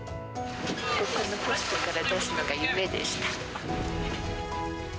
このポストから出すのが夢でした。